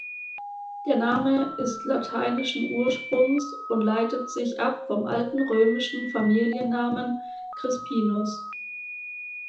Der Name ist lateinischen Ursprungs und leitet sich ab vom alten römischen Familiennamen Crispinus.